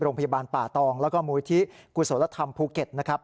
โรงพยาบาลป่าตองแล้วก็มูลที่กุศลธรรมภูเก็ตนะครับ